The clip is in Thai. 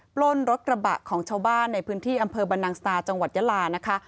ปล้นรถกระบะของชาวบ้านในพื้นที่อำเภอบรรนังสตาจังหวัดยาลานะคะ